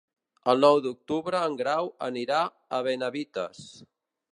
El nou d'octubre en Grau anirà a Benavites.